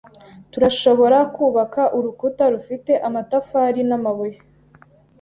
Turashobora kubaka urukuta rufite amatafari n'amabuye.